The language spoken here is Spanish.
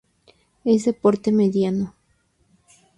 Es de porte mediano.